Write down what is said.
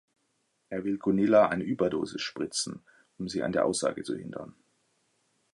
Er will Gunilla eine Überdosis spritzen, um sie an der Aussage zu hindern.